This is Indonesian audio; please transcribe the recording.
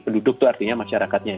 penduduk itu artinya masyarakatnya